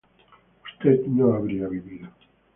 usted no habría vivido